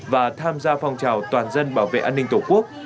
và tham gia phong trào toàn dân bảo vệ an ninh tổ quốc